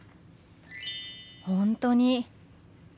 本当に！